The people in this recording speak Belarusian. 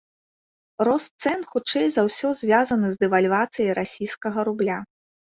Рост цэн хутчэй за ўсё звязаны з дэвальвацыяй расійскага рубля.